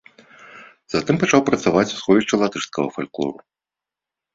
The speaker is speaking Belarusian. Затым пачаў працаваць у сховішчы латышскага фальклору.